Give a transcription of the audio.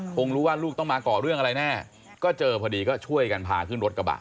คงรู้ว่าลูกต้องมาก่อเรื่องอะไรแน่ก็เจอพอดีก็ช่วยกันพาขึ้นรถกระบะ